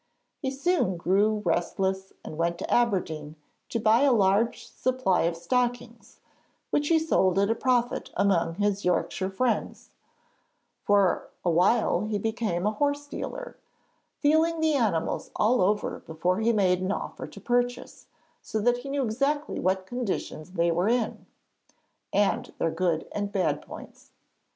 He soon grew restless and went to Aberdeen to buy a large supply of stockings, which he sold at a profit among his Yorkshire friends; for a while he became a horse dealer, feeling the animals all over before he made an offer to purchase, so that he knew exactly what condition they were in, and their good and bad points.